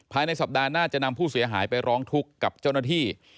ภายในสัปดาห์หน้าจะนำผู้เสียหายไปร้องทุกข์กับเจ้าหน้าที่